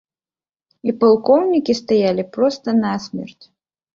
І палкоўнікі стаялі проста на смерць!